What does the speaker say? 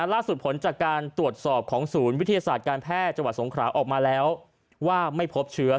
ผลจากการตรวจสอบของศูนย์วิทยาศาสตร์การแพทย์จังหวัดสงขราออกมาแล้วว่าไม่พบเชื้อ